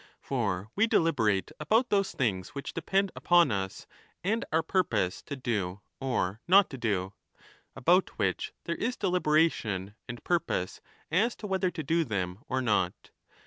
For we deliberate 30 about those things which depend upon us and our purpose to do or not to do, about which there is deliberation and purpose as to whether to do them or not.